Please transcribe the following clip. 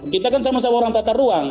kita kan sama sama orang tata ruang